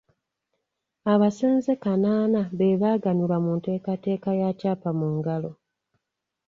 Abasenze kanaana be baaganyulwa mu nteekateeka ya Kyapa mu ngalo.